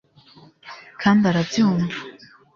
kandi arabyumva